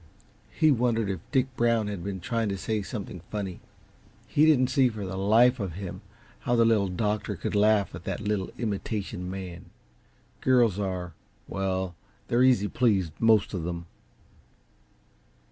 He wondered if Dick Brown had been trying to say something funny. He didn't see, for the life of him, how the Little Doctor could laugh at that little imitation man. Girls are well, they're easy pleased, most of them.